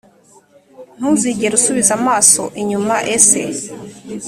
ntuzigere usubiza amaso inyuma ese